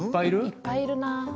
いっぱいいるな。